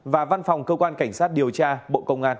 và văn phòng cơ quan cảnh sát điều tra bộ công an